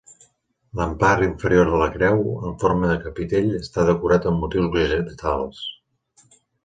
La part inferior de la creu, en forma de capitell, està decorat amb motius vegetals.